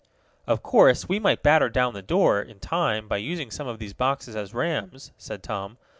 "Of course we might batter down the door, in time, by using some of these boxes as rams," said Tom.